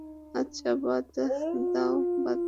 আচ্ছা, বাদ দাও, বাদ দাও।